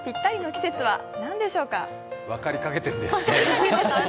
分かりかけてるんだよね。